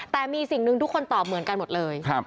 แต่มีสิ่งหนึ่งทุกคนตอบเหมือนกันหมดเลย